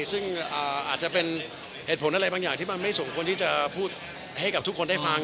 ซึ่งอาจจะเป็นเหตุผลอะไรบางอย่างที่มันไม่สมควรที่จะพูดให้กับทุกคนได้ฟัง